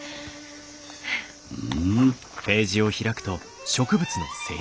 うん？